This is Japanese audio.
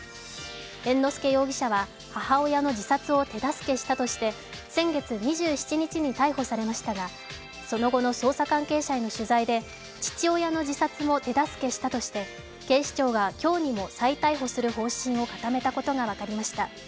猿之助容疑者は、母親の自殺を手助けしたとして先月２７日に逮捕されましたがその後の捜査関係者への取材で父親の自殺も手助けしたとして警視庁が今日にも再逮捕する方針を固めたことが分かりました。